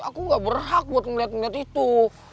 aku gak berhak buat ngeliat ngeliat itu